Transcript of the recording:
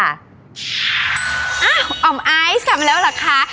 อ้าวออมไอซ์กลับมาแล้วล่ะค่ะ